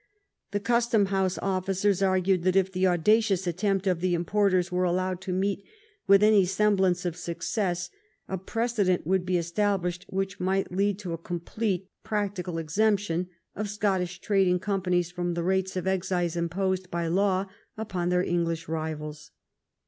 The custom house officers argued that if the audacious attempt of the importers were allowed to meet with any semblance of success, a prece dent would be established which might lead to a com plete practical exemption of Scottish trading companies from the rates of excise imposed by law upon their English rivals.